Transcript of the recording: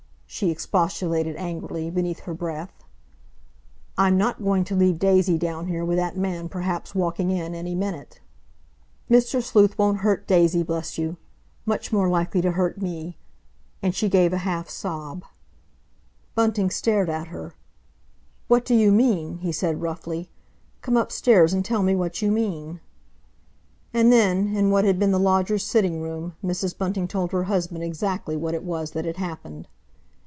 she expostulated angrily, beneath her breath. "I'm not going to leave Daisy down here with that man perhaps walking in any minute." "Mr. Sleuth won't hurt Daisy, bless you! Much more likely to hurt me," and she gave a half sob. Bunting stared at her. "What do you mean?" he said roughly. "Come upstairs and tell me what you mean." And then, in what had been the lodger's sitting room, Mrs. Bunting told her husband exactly what it was that had happened.